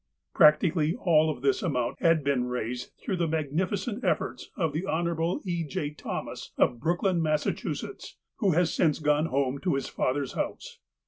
Practically all of this amount had been raised through the magnificent efforts of the Hon. E. J. Thomas, of Brookline, Massachusetts, who has since gone home to his Father's house.